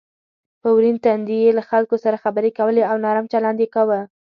په ورین تندي یې له خلکو سره خبرې کولې او نرم چلند یې کاوه.